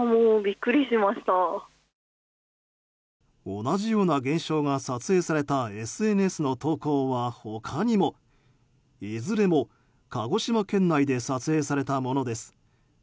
同じような現象が撮影されたＳＮＳの投稿は他にも。いずれも、鹿児島県内で撮影されたものです。